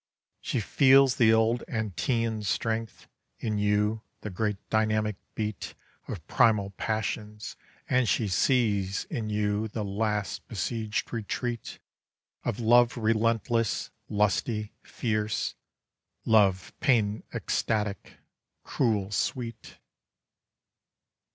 She feels the old Antæan strength In you, the great dynamic beat Of primal passions, and she sees In you the last besieged retreat Of love relentless, lusty, fierce, Love pain ecstatic, cruel sweet.